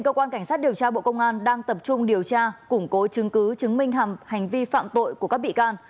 cơ quan cảnh sát điều tra bộ công an đang tập trung điều tra củng cố chứng cứ chứng minh hành vi phạm tội của các bị can